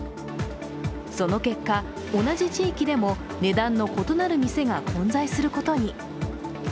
その結果、同じ地域でも値段の異なる店が混在することに。